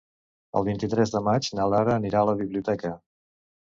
El vint-i-tres de maig na Lara anirà a la biblioteca.